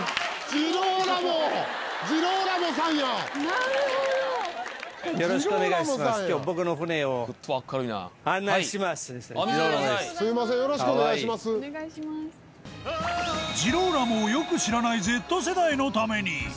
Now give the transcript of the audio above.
ジローラモをよく知らない Ｚ 世代のために